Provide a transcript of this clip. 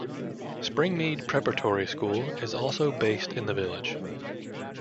Springmead Preparatory School is also based in the village.